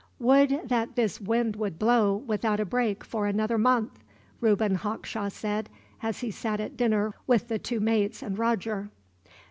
"Would that this wind would blow, without a break, for another month," Reuben Hawkshaw said, as he sat at dinner with the two mates and Roger.